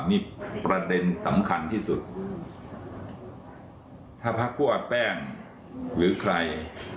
นี่ประเด็นสำคัญที่สุดถ้าพักพวกแป้งหรือใคร